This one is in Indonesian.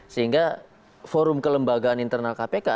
sehingga forum kelembagaan internal kpk